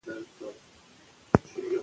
زموږ ژبه زموږ د هویت نښه ده.